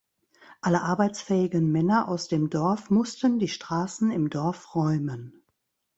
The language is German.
Alle arbeitsfähigen Männer aus dem Dorf mussten die Straßen im Dorf räumen.